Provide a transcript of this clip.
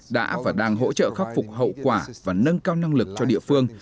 đã và đang hỗ trợ khắc phục hậu quả và nâng cao năng lực cho địa phương